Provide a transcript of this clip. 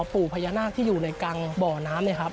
ปู่พญานาคที่อยู่ในกลางบ่อน้ำเนี่ยครับ